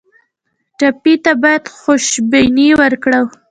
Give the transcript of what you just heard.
ټپي ته باید خوشبیني ورکړو.